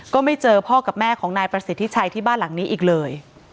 ก็ไม่เจอพ่อกับแม่ของนายประสิทธิชัยที่บ้านหลังนี้อีกเลย